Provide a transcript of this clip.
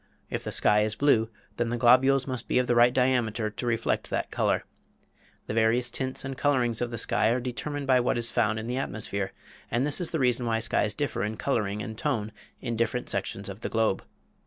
If the sky is blue, then the globules must be of the right diameter to reflect that color. The various tints and colorings of the sky are determined by what is found in the atmosphere, and this is the reason why skies differ in coloring and tone in different sections of the globe.